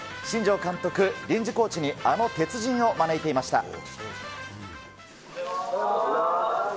新庄監督、臨時コーチにあの鉄人を招いていました。